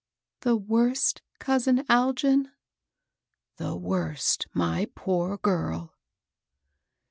" The worsts cousin Algin ?"" The worst, my poor girl."